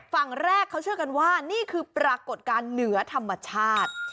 ฝั่งแรกเขาเชื่อกันว่านี่คือปรากฏการณ์เหนือธรรมชาติ